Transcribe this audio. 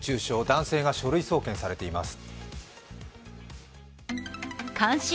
男性が書類送検されています。